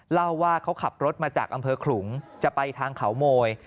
เล่าว่าเขาขับรถมาจากอำเภอขลุงจะไปทางเขาโมย